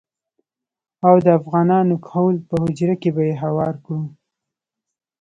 او د افغان کهول په حجره کې به يې هوار کړو.